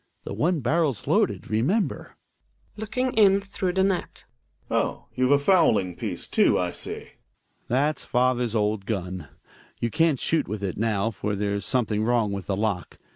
The one barrel's wloaded, remen>ber. Gregers {looking in through the net). Oh, you've a fowling piece too, I see. Hjalmar. That's father's old gun. You can't shoot with it now, for there's something wrong with the lock.